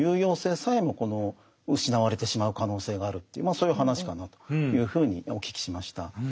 そういう話かなというふうにお聞きしました。